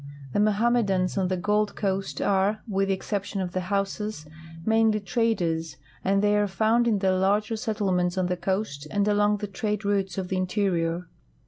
The Mohammedans on the Gold coast are, with the exception of the Haussas, mainly traders, and they are found in the larger settlements on the coast and along the trade routes of the interior.